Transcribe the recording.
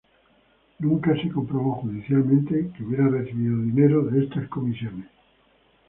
Nunca se comprobó judicialmente que hubiera recibido dineros de estas comisiones.